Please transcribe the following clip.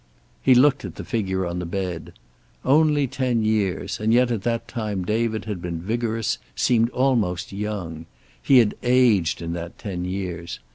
He looked at the figure on the bed. Only ten years, and yet at that time David had been vigorous, seemed almost young. He had aged in that ten years.